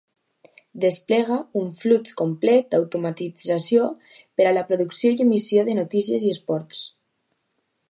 Desplega un flux complet d'automatització per a la producció i emissió de notícies i esports.